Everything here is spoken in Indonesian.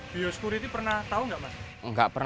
biosecurity pernah tahu nggak mas